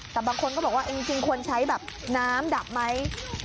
แต่บางคนก็บอกว่าจริงควรใช้แบบน้ำดับไหม